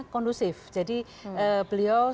kondusif jadi beliau